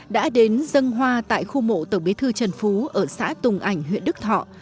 đã đến dâng hoa tại khu mộ tổng bế thư trần phú ở xã tùng ảnh huyện đức thọ